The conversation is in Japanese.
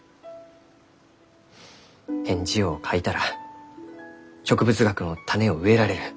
返事を書いたら植物学の種を植えられる。